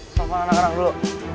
sofa anak anak dulu